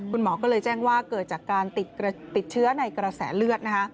คุณหมอก็เลยแจ้งว่าเกิดจากการติดเชื้อในกระแสเลือดนะคะ